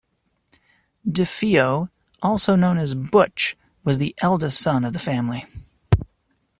DeFeo, also known as "Butch", was the eldest son of the family.